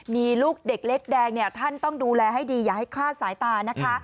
มีลูกเด็กเล็กแดงเนี่ยท่านต้องดูแลให้ดีอย่าให้คลาดสายตานะคะ